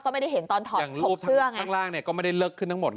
แบบรูปทางล่างก็ไม่ได้เล็กขึ้นทั้งหมด